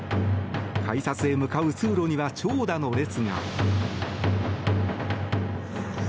改札へ向かう通路には長蛇の列が。